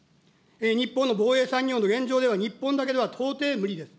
日本の防衛産業の現状では、日本だけでは到底無理です。